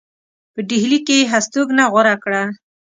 په ډهلي کې یې هستوګنه غوره کړه.